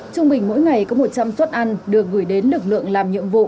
trung bình mỗi ngày có một trăm linh suất ăn được gửi đến lực lượng làm nhiệm vụ